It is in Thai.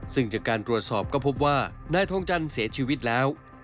ซึ่งจากการตรวจสอบก็พบว่านายทองจันทร์เสียชีวิตแล้ว